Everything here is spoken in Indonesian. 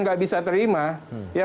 tidak bisa terima